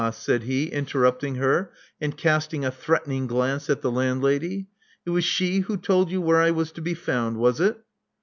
said he, interrupting her, and casting a threatening glance at the landlady. It was she who told you where I was to be found, was it?"